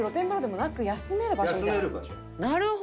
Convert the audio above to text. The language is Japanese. なるほど！